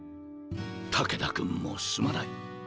武田君もすまない。